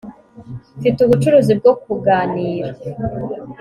mfite ubucuruzi bwo kuganira